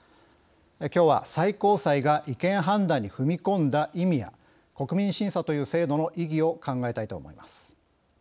きょうは、最高裁が違憲判断に踏み込んだ意味や国民審査という制度の意義を考えたいと思います。